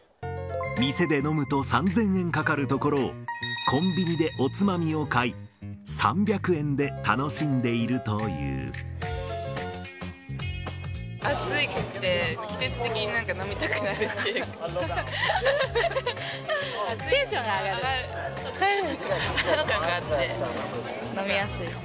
店で飲むと３０００円かかるところを、コンビニでおつまみを買い、３００円で楽しんでいると暑くて、季節的になんか飲みたくなるっていう。